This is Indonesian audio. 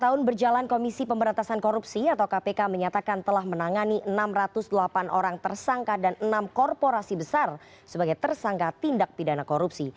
dua puluh tahun berjalan komisi pemberantasan korupsi atau kpk menyatakan telah menangani enam ratus delapan orang tersangka dan enam korporasi besar sebagai tersangka tindak pidana korupsi